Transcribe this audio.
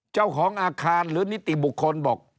เจ้าของอาคารหรือนิติบุคคลบอก